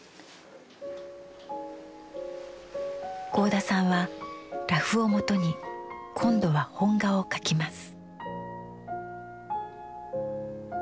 合田さんはラフをもとに今度は本画を描きます。